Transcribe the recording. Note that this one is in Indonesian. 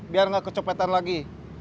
biar nggak kecopetan lagi